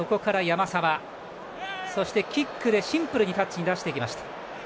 キックでシンプルにタッチに出していきました。